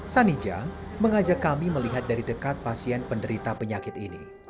sanija mengajak kami melihat dari dekat pasien penderita penyakit ini